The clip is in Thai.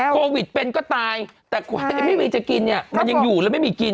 โควิดเป็นก็ตายแต่ควายไม่มีจะกินเนี่ยมันยังอยู่แล้วไม่มีกิน